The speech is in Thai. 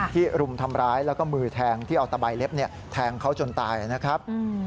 รุมทำร้ายแล้วก็มือแทงที่เอาตะใบเล็บแทงเขาจนตายนะครับ